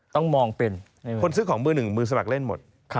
ต้องมองเป็นคนซื้อของมือหนึ่งมือสมัครเล่นหมด